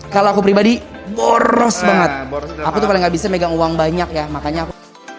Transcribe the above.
kalau aku pribadi boros banget aku tuh paling nggak bisa megang uang banyak ya makanya aku